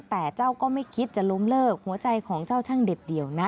แต่เจ้าก็ไม่คิดจะล้มเลิกหัวใจของเจ้าช่างเด็ดเดียวนะ